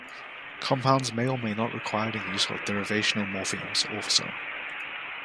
Compounds may or may not require the use of derivational morphemes also.